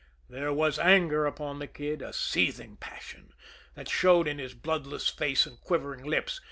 There was an anger upon the Kid, a seething passion, that showed in his bloodless face and quivering lips.